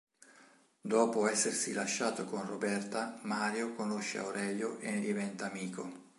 Dopo essersi lasciato con Roberta, Mario conosce Aurelio e ne diventa amico.